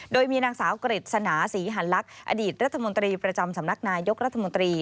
โดยมีนางสาวกฤษณาศรีหันลักษณ์อดีตรัฐมนตรีประจำสำนักนายกรัฐมนตรี